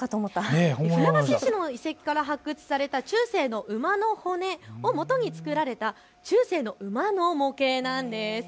船橋市の遺跡から発掘された中世の馬の骨をもとに作られた中世の馬の模型なんです。